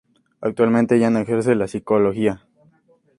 Actualmente ya no ejerce la psicología.